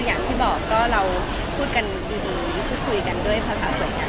อย่างที่บอกก็เราพูดกันดีพูดคุยกันด้วยภาษาสวยงาม